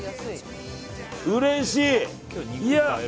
うれしい！